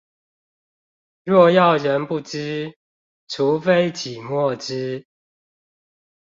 若要人不知，除非擠墨汁